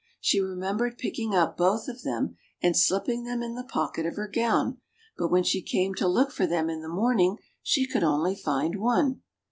She remembered picking up both of them and slipping them in the pocket of her gown ; but when ''she came to look for them in the morning, she could only find one.